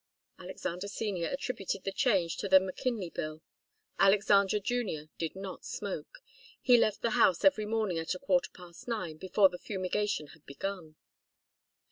Alexander Senior attributed the change to the McKinley Bill. Alexander Junior did not smoke. He left the house every morning at a quarter past nine, before the fumigation had begun.